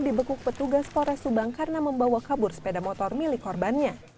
dibekuk petugas polres subang karena membawa kabur sepeda motor milik korbannya